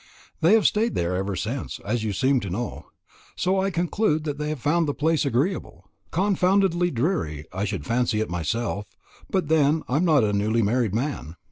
They have stayed there ever since, as you seem to know; so I conclude they have found the place agreeable. Confoundedly dreary, I should fancy it myself; but then I'm not a newly married man."